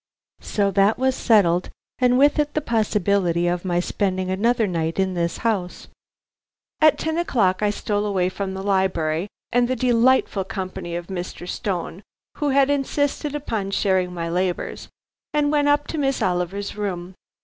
So that was settled, and with it the possibility of my spending another night in this house. At ten o'clock I stole away from the library and the delightful company of Mr. Stone, who had insisted upon sharing my labors, and went up to Miss Oliver's room.